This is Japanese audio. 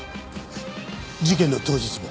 事件の当日も。